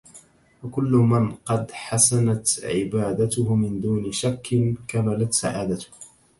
فكل من قد حسنت عبادته من دون شك كملت سعادته